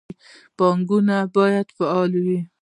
بانکونه باید فعال وي